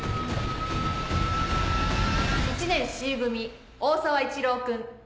１年Ｃ組大沢一郎君。